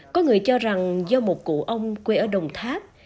có người cho rằng do một cụ ông quê ở đồng tháp